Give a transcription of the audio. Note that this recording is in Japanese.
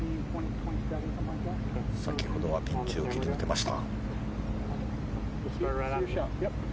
先ほどはピンチを切り抜けました。